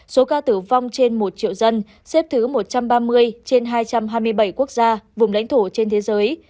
số ca tử vong trên một triệu dân xếp thứ một trăm ba mươi trên hai trăm hai mươi bảy quốc gia vùng lãnh thổ trên thế giới